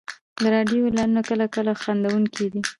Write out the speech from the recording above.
د راډیو اعلانونه کله کله خندونکي وي.